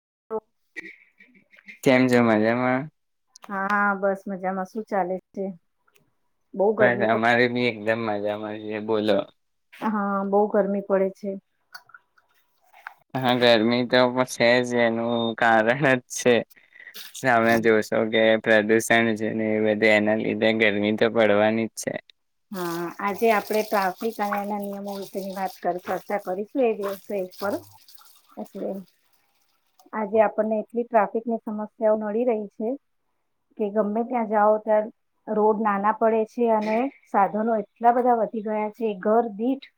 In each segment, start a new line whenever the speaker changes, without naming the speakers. [inaudible]
કેમ છો મજામાં?
હા બસ મજામાં. શું ચાલે છે? બહુ
બટ
ગરમી પડ
અમારે ભી એકદમ મજામાં છે બોલો.
હા બહુ ગરમી પડે છે.
હા ગરમી તો છે જ એનું કારણ જ છે. તમે જોશો કે પ્રદુષણ જે ને એ બધે એના લીધે ગરમી તો પડવાની જ છે.
હા આજે આપણે ટ્રાફિક અને એના નિયમો વિશેની વાત ચર્ચા કરીશું. એ દિવ એટલે આજે આપણને એટલી ટ્રાફિકની સમસ્યાઓ નડી રહી છે કે ગમે ત્યાં જાઓ ત્યાં રોડ નાના પડે છે. અને સાધનો એટલા બધા વધી ગયા છે ઘર દીઠ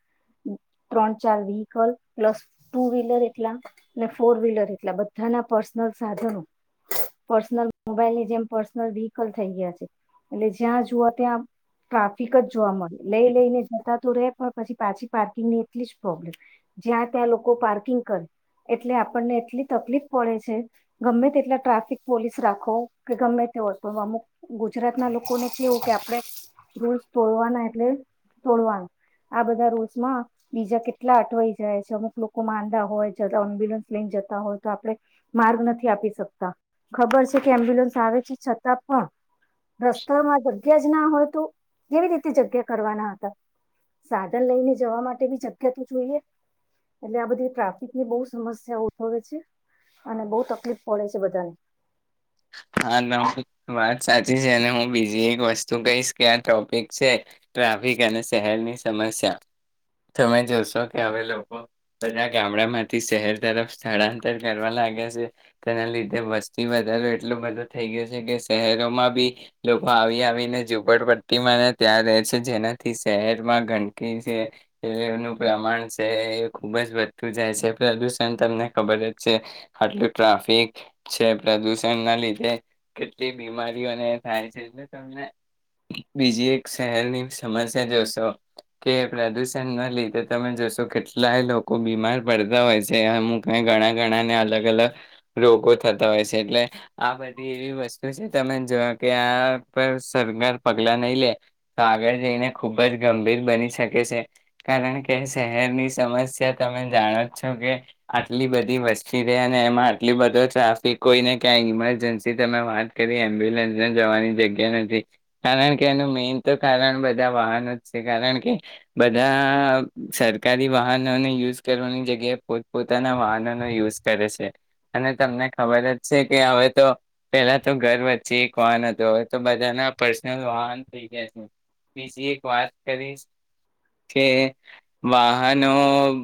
ત્રણ ચાર વ્હીકલ પ્લસ ટુ વ્હીલર એટલા અને ફોર વ્હીલર એટલા બધાના પર્સનલ સાધનો પર્સનલ મોબાઈલ ની જેમ પર્સનલ વ્હીકલ થઈ ગયા છે. એટલે જ્યાં જુવા ત્યાં ટ્રાફિક જ જોવા મળે. લઈ લઈને જતા તો રે પણ પછી પાછી પાર્કિંગ ની એટલી જ પ્રોબ્લેમ જ્યાં ત્યાં લોકો પાર્કિંગ કરે એટલે આપણને એટલી તકલીફ પડે છે. ગમે તેટલા ટ્રાફિક પોલીસ રાખો કે ગમે તે હોય અમુક ગુજરાત ના લોકોને કેવું કે આપણે રૂલ્સ તોડવાના એટલે તોડવાના આ બધા રૂલ્સમાં બીજા કેટલા અટવાઈ જાય છે. અમુક લોકો માંદા હોય છતાં એમ્બ્યુલન્સ લઈને જતા હોય તો આપણે માર્ગ નથી આપી શકતા. ખબર છે કે એમ્બ્યુલન્સ આવે છે છતાં પણ. રસ્તો મા વ્યજના હોયતુ કેવી રીતે જગ્યા કરવાના હતા. સાધન લઈને જવા માટે બી જગ્યા તો જોઈએ એટલે આ બધી ટ્રાફિકની બઉ સમસ્યા ઉદભવે છે. અને બઉ તકલીફ પડે છે બધાને.
હા વાત સાચી છે અને હું બીજી એક વસ્તુ કહીશ કે આ ટોપિક છે ટ્રાફિક અને શહેરની સમસ્યા તમે જોશો કે હવે લોકો બધા ગામડા માંથી શહેર તરફ સ્થળાંતર કરવા લાગ્યા છે. તેના લીધે વસ્તી વધારો એટલ એટલું બધું થઈ ગયું છે કે શહેરોમાં બી લોકો આવી આવીને ઝુપડ પટ્ટીમાંને ત્યાં રહે છે. જેનાથી શહેરમાં ગંદકી છે એનું પ્રમાણ છે એ ખુબ જ વધતું જાય છે. પ્રદૂષણ તમને ખબર જ છે આટલું ટ્રાફિક છે પ્રદુષ [unintelligible] કેટલી બીમારીઓને થાય છે એલે તને બીજી એક શહેરની સમસ્યા જોશો કે પ્રદુષણ ના લીધે તમે જોશો કેટલાય લોકો બીમાર પડતા હોય છે. અમુક ઘણા ગણાને અલગ અલગ રોગો થતા હોય છે. એટલે આ બધી એવી વસ્તુ છે. તમે જો કે આ પર સરકાર પગલા નહી લે તો આગળ જઈને ખુબ જ ગંભીર બની શકે છે. કારણ કે, શહેરની સમસ્યા તમે જાણો જ છો કે આટલી બધી વસ્તી રહે અને એમાં આટલી બધો ટ્રાફિક હોઈને ક્યાંય ઇમરજન્સી તમે વાત કરી એમ્બ્યુલન્સને જવાની જગ્યા નથી. કારણ કે એનું મેઇન તો કારણ બધા વાહનો જ છે. કારણ કે બધા સરકારી વાહનોને યુઝ કરવાની જગ્યાએ પોતપોતાના વાહનોનો યુઝ કરે છે. અને તમને ખબર જ કે હવે તો પેલા તો ઘર વચ્ચે એક વાહન હતો હવે તો બધાના પર્સનલ વાહન થઈ ગયા છે. બીજી એક વાત કરીશ કે વાહનો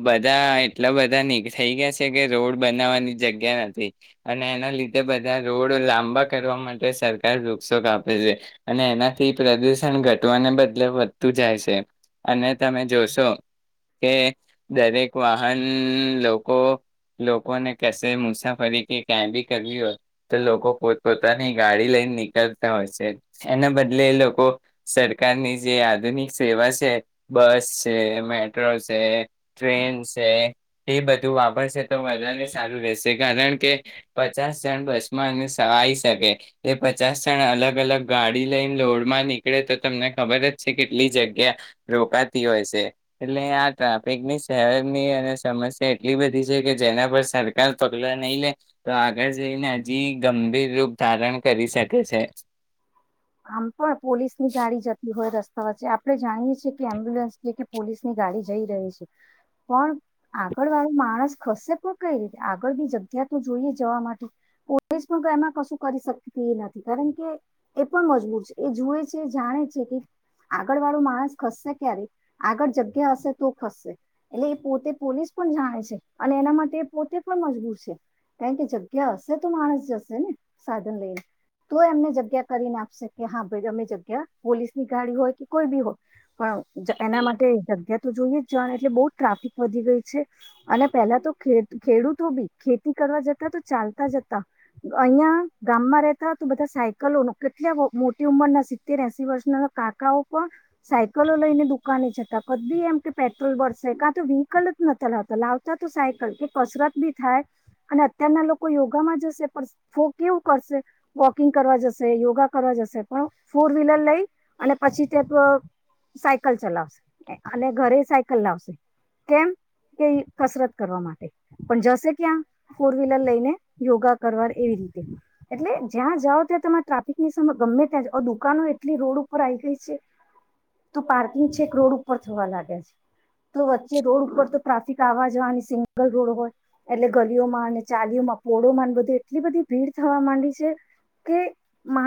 બધા એટલા બધાની થઈ ગયા છે કે રોડ બનાવવાની જગ્યા નથી. અને એના લીધે બધા રોડો લાંબા કરવા માટે સરકાર વૃક્ષો કાપે છે. અને એનાથી પ્રદુષણ ઘટવાને બદલે વધતું જાય છે અને તમે જોશો કે દરેક વાહન લો કો લોકોને કસે મુસાફરી કે ક્યાં બી કરવી હોય તો લોકો પોતપોતાની ગાડી લઈને નીકળતા હોય છે, એના બદલે લોકો સરકારની જે આધુનિક સેવા છે, બસ છે, મેટ્રો છે, ટ્રેન છે, એ બધું વાપરશે તો બાને સારું રહેસે કારણ કે પચાસ જણ બસમાં અને આવી શકે, એ પચાસ જણ અલગ અલગ ગાડી લઈને લોોડમાં નીકળે તો તમને ખબર જ છે કેટલી જગ્યા, રોકાતી હોય છે, એટલે આ ટ્રાફિકની શહેરની અને સમસ્યા એટલી બધી છે કે જેના પર સરકાર પગલા નહી લે. તો આગળ જઈને હજી ગંભીર રૂપ ધારણ કરી શકે છે.
આમ પણ પોલીસની ગાડી જતી હોય રસ્તા આપણે જાણીએ છીએ કે એમ્બ્યુલન્સ જે કે પોલીસ ની ગાડી જઈ રહી છે, પણ આગળ વાળો માણસ ખસે પણ કઈ રીતે આગળ બની જગ્યા તો જોઈએ જવા માટે, પોલીસ પણ એમાં કશું કરી શકતી એ નથી, કારણ કે એ પણ મજબર એ જુએ છે, જાણે છે. કે આગળ વાળો માણસ ખસશે ક્યારે, આગળ જગ્યા હશે તો ખસશે, એટલે એ પોતે પોલીસ પણ જાણે છે. અને એના માટે પોતે પણ મજબૂર છે, કારણ કે જગ્યા હશે તો માણસ જશે ને સાધન લઈને તો એમને જગ્યા કરીને આપશે કે હા ભાઈ અમે જગ્યા પોલીસ ની ગાડી હોય કે કોઈ બી હોય. પણ એના માટે જગ્યાત તો જોઈએ જાણ એટલે બહુ ટ્રાફિક વધી ગઈ છે, અને પહેલા તો ખેડૂતો બી ખેતી કરવા જતા તો ચાલતા જતા, અહિયાં ગામમાં રહેતા તો બધા સાયકલો નો કેટલા મોટી ઉંમરના સિત્તેર એસી વર્ષના કાકાઓ પણ, સાયકલો લઈને દુકાને જતા કદ બી એમ કે પેટ્રોલ બરસે કાં તો વ્હીકલ જ નતા લાવતા લાવતા તો સાયકલ કે કસરત બી થાય, અને અત્યારના લોકો યોગામાં જશે પણ ફો કેવું કરશે વોકિંગ કરવા જશે. યોગા કરવા જશે પણ ફોર વ્હીલર લઈ અને પછી સાલ ચલાવશે, અને ઘરે સાયકલ લાવશે, કેમ કે કસરત કરવા માટે પણ જશે ક્યાં ફોર વ્હીલર લઈને યોગા કરવાર એવી રીતે, એટલે જ્યાં જાઓ ત્યાં તમામે ની ગમે ત્યાં જ દુકાનો એટલી રોડ ઉપર આવી ગઈ છે, તો પાર્કિંગ છે એક રોડર ઉપર થવા લાગ્યા છે, તો વચ્ચે રોડ ઉપર તો ટ્રાફિક આવા જવાની સિંગલ રોડ હોય, એટલે ગલીઓમાં અને ચાલીઓમાં પોળોમાં બધી એટલી બધી ભીડ થવા માંડી છે, કે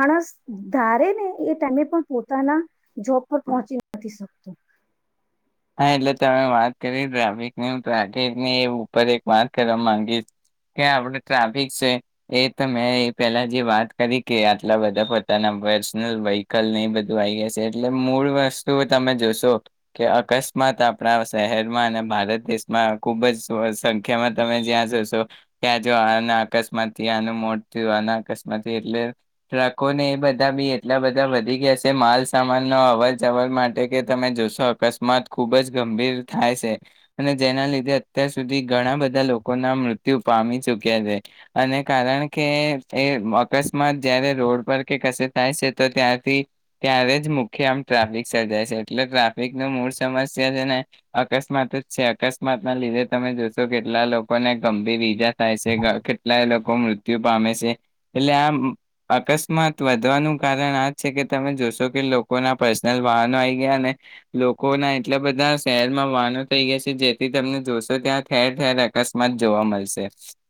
માણસ ધારે ને એ ટાઈમે પણ પોતાના જોબ પર પહોંચી નથી શકતો.
હા એટલે તમે વાત કરી ટ્રાફિકની ટ્રાફિકની ઉપર એક વાત કરવાં માંગીશ કે આપડે ટ્રાફિક છે એ તો મેં પેલા જે વાત કરી કે આટલાં બધાં પોતાના પર્સનલ વ્હકલને એ બધું આવી ગય છે એટલે મૂળ વસ્તુ તમે જોશો કે અકસ્માત આપણાં શહેરમાં અને ભારત દેશમાં ખૂબ જ સંખ્યામાં તમે જ્યાં જશો ત્યાં જ આના અકસ્માતથી આનું મોટ થયું આના અકસ્માતથી એટલે ટ્રકોને એ બધાં બી એટલા બધાં વધી ગયા છે માલ સામાનનો અવર જવર માટે કે તમે જોશો અકસ ખૂબ જ ગંભીર થાય છે અને જેના લીધે અત્યાર સુધી ઘણાં બધાં લોકોના મૃત્યુ પામી ચૂક્યા છે અને કારણ કે એ અકસ્માત જયારે રોડ પર કે કશે થાય છે તો ત્યારથી ત્યારે જ મુખ્ય આમ ટ્રાફિક સર્જાય છે એટલે ટ્રાફિક નું મૂળ સમસ્યા છેને અકસ્માત જ છે અકસ્માતનાં લીધે તમે જોશો કેટલા લોકોને ગંભીર ઈજા થાય છે કેટલાય લોકો મૃત્યુ પામે છે એટલે આમ અકસ્માત વધવાનું કારણ આ છે કે તમે જોશો કે લોકોનાં પર્સનલ વાહનો આયી ગયાને એટલાં બધાં શહેરમાં વાહનો થઈ ગયાં છે જેથી તમને જોશો ત્યાં ઠેર ઠેર અકસ્માત જોવા મળશે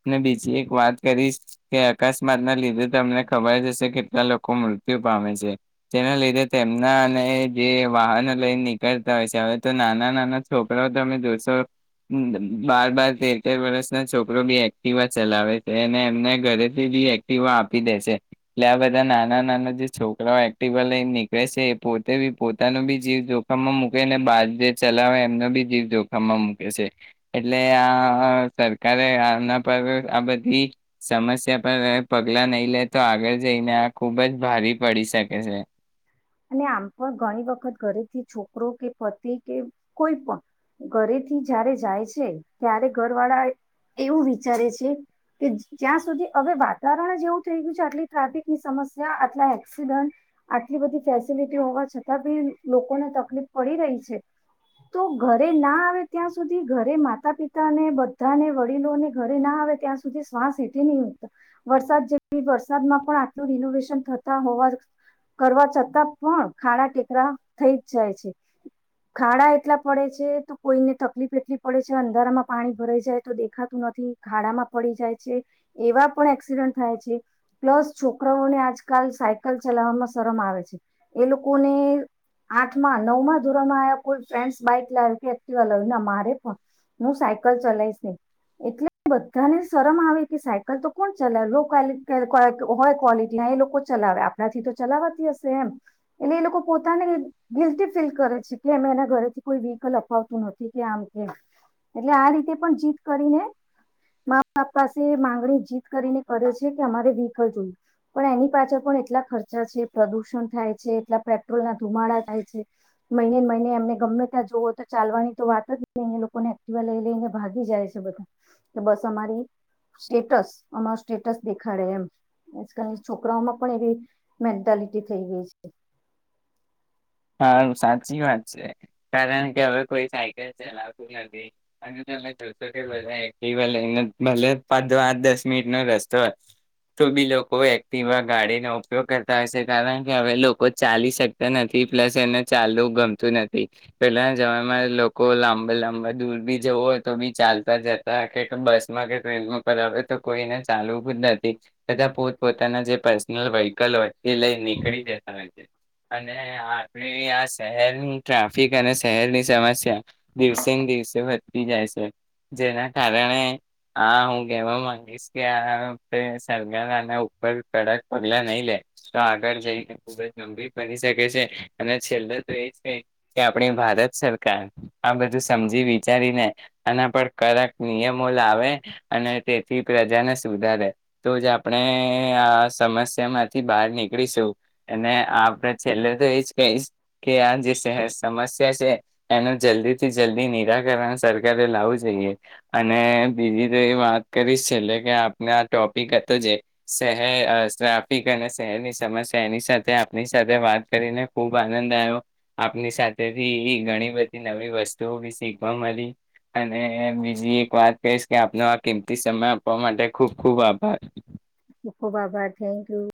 અને બીજી એક વાત કરીશ કે અકસ્માતનાં લીધે તમને ખબર જ હશે કેટલા લોકો મૃત્યુ પામે છે તેના લીધે તેમના અને જે વાહનો લઈ કરતાં હોય છે હવે તો નાનાં નાનાં છોકરાઓ તમે જોશો બાર બાર તેર તેર વર્ષનાં છોકરો બી એક્ટિવા ચલાવે છે અને એમને ઘરેથી બી એક્ટિવાં આપી દે છે એટલે આ બધાં નાનાં નાનાં જે છોકરાઓ એક્ટિવા લઈ નીકળે છે એ પોતે બી પોતાનું બી જીવ જો જોખમમાં મૂકેને બાર જે ચલાવે એમનો બી જીવ જોખમમાં મૂકે છે એટલે આ સરકારે આના પર આ બધી સમસ્યા પર પગલા નય લે તો આગળ જઈને આ ખૂબ જ ભારે પડી શકે છે.
અને આમ પણ ઘણી વખત ઘરેથી છોકરો કે પતિ કે કોઈ પણ ઘરેથી જયારે જાય છે ત્યારે ઘરવાળા એવું વિચારે છે કે જ્યાં સુધી હવે વાતાવરણ જેવું થઈ ગયું છે આટલી ટ્રાફિકની સમસ્યા આટલા એક્સિડન્ટ આટલી બધી ફેસિલિટી હોવા છતાં બી લોકોને તકલીફ પડી રહી છે તો ઘરેનાં આવે ત્યાં સુધી ઘરે માતા પિતાને બધાંને વડીલોને ઘરેનાં આવે ત્યાં સુધી શ્વાસ હેઠી નહીં હોતા વરસાદ જેવી વરસાદમાં પણ આટલું રિનોવેશન થતા હોવા કરવા પણ ખાડા ટેકરા થઈ જ જાય છે ખાડા એટલા પડે છે તો કોઈને તકલીફ એટલી પડે છે અંધારામાં પાણી ભરાઈ જાય તો દેખાતું નથી ખાડામાં પડી જાય છે એવા પણ એક્સિડન્ટ થાય છે પ્લસ છોકરાઓને આજકાલ સાયકલ ચલાવવામાં શરમ આવે છે. એ લોકોને આઠમાં નવમાં ધોરણમાં આયા કોઈ ફ્રેન્ડ્સ બાઈક લાવી કે એક્ટિવા લાવ્યું મારે પણ હું સાયકલ ચલાવીશ નય એટલે બધાને શરમ આવે કે સાયકલ તો કોણ ચલાવે લો ક્વોલિટી ના એ લોકો ચલાવે આપણાથી તો ચલાવાતી હશે એમ. એટલે એ લોકો પોતાને ગિલ્ટી ફીલ કરે છે કે અ એના ઘરેથી કોઈ વ્હીકલ અપાવતું નથી કે આમ કેમ એટલે આ રીતે પણ જીત કરીને મા બાપ પાસે માંગણી જીત કરીને કરે છે કે અમારે વ્હીકલ જોયું પણ એની પાછળ પણ એટલા ખર્ચા છે પ્રદુષણ થાય. એટલા પેટ્રોલનાં ધુમાડા થાય છે મહિનેને મહિને એમને ગમે ત્યાં જવઓ તો ચાલવાની તો વાત જ ન લોકોને એક્ટિવા લઈ લઈને ભાગી જાય છે બધા કે બસ અમારી સ્ટેટસ અમાર સ્ટેટસ દેખાડે એમ આજકાલની છોકરાઓમાં પણ એવી મેન્ટાલિટી થઈ ગઈ છે.
સાચી વાત છે, કારણ કે હવે કોઈ સાયકલ ચલાવતું નથી અને તમે જોશો કે બધા એક્ટિવા લઈને ભલે પાંચ દસ મિનિટનો રસ્તો હોય તો બી લોકો એક્ટિવા ગાડીનો ઉપયોગ કરતા હોય છે કારણ કે હવે લોકો ચાલી શકતા નથી. પ્લસ એને ચાલવું ગમતું નથી પેલાનાં જવામાં લોકો લાંબા લાંબા દૂર બી જવો હોય તો બી ચાલતા જતા કે બસમાં કે ટ્રેનમાં પર આવે તો કોઈને ચાલવું જ નથી તથા પોત પોતાના જે પર્સનલ વ્હીકલ હોય એ લઈ નીકળી જતા હોય છે. આપરે આ શહેરની ટ્રાફિક અને શહેરની સમસ્યા દિવસેને દિવસે વધતી જાય છે જેના કારણે આ હું કહેવા માંગીશ કે આ સરકાર આના ઉપર કડક પગલાં નય લે તો આગળ જઈને ખૂબ જ ગંભીર પડી શકે. અને છેલ્લેતો એજ કેય કે આપણી ભારત સરકાર આ બધું સમજી વિચારીને આના પર કડક નિયમો લાવે અને તેથી પ્રજાને સુધારે તોજ આપણે આ સમસ્યા માંથી બહાર નીકળીશું અને છેલ્લે તો એજ કહીશ કે આ જે શહેર સમસ્યા છે એનું જલ્દીથી જલ્દી નિરાકરણ સરકારે લાવવું જોઈએ અને બીજી તો એ વાત કરીશ છેલ્લે કે આપને આ ટોપિક હતો જે શહેર ટ્રાફિક અને શહેરની સમસ્યા એની સાથે આપણી સાથે વાત કરીને ખૂબ આનંદ આવ્યો આપની સાથેથી ઘણી બધી નવી વસ્તુઓ બી શીખવા મળી અને બીજી એક વાત કહીશ કે આપનો આ કિંમતી સમય આપવા માટે ખૂબ ખૂબ આભાર.
ખૂબ આભાર થેન્ક યુ.